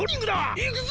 いくぞ！